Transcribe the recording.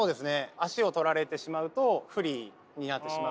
足を取られてしまうと不利になってしまうので。